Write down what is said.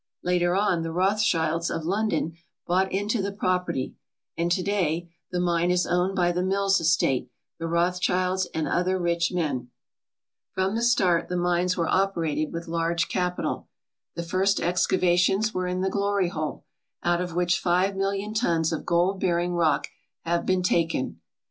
Later on the Rothschilds of Lon don bought into the property, and to day the mine is 82 TREASURES UNDER THE SEA owned by the Mills estate, the Rothschilds, and other rich men. From the start the mines were operated with large capital. The first excavations were in the Glory Hole, out of which five million tons of gold bearing rock have been taken.